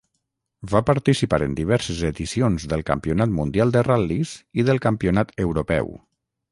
Va participar en diverses edicions del Campionat Mundial de Ral·lis i del Campionat Europeu.